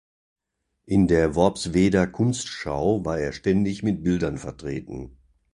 In der Worpsweder Kunstschau war er ständig mit Bildern vertreten.